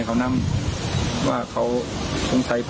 ห้องปแซครับให้พ่อ